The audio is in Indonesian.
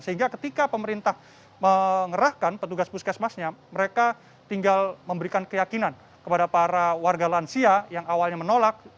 sehingga ketika pemerintah mengerahkan petugas puskesmasnya mereka tinggal memberikan keyakinan kepada para warga lansia yang awalnya menolak